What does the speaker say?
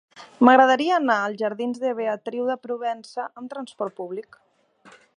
M'agradaria anar als jardins de Beatriu de Provença amb trasport públic.